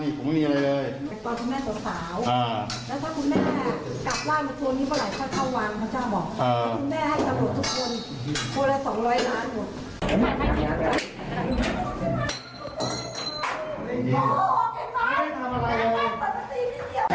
แล้วถ้าคุณแม่กลับว่างมาจริงเมื่อไหร่พระเจ้าวาง